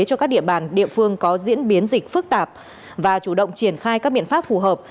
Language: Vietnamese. cho các địa bàn địa phương có diễn biến dịch phức tạp và chủ động triển khai các biện pháp phù hợp